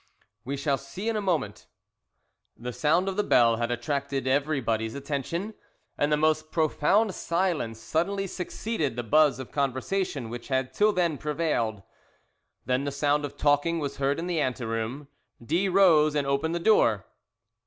"We shall see in a moment." The sound of the bell had attracted everybody's attention, and the most profound silence suddenly succeeded the buzz of conversation which had till then prevailed. Then the sound of talking was heard in the anteroom. D rose and opened the door.